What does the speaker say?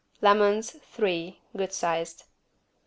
Lemons, three (good sized).